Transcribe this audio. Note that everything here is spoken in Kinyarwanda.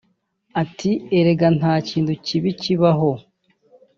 Ati″ Erega nta kintu kibi kibaho